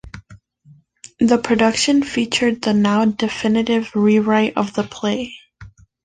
The production featured the now definitive rewrite of the play.